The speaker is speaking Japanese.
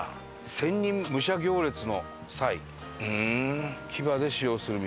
「千人武者行列の際騎馬で使用する道」。